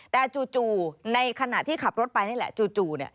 แต่จู่ในขณะที่ขับรถไปนี่แหละจู่